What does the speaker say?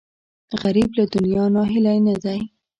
غریب له دنیا ناهیلی نه دی